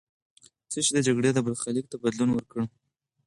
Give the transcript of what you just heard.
څه شی د جګړې برخلیک ته بدلون ورکړ؟